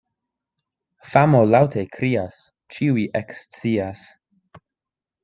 Famo laŭte krias, ĉiuj ekscias.